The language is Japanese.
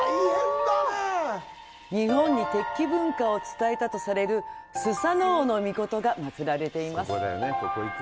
日本に鉄器文化を伝えたとされる素戔嗚尊が祭られています。